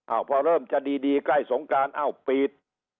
พอเริ่มจะดีใกล้สงการอ้าวปีด